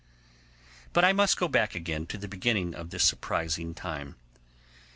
But I must go back again to the beginning of this surprising time.